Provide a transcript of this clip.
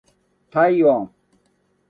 体温